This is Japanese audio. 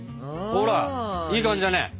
ほらいい感じだね！